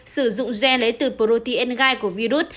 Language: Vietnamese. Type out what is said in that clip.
sử dụng gene lấy từ protein gai của virus